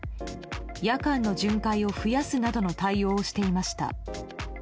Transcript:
夜間の巡回を増やすなどの対応をしていました。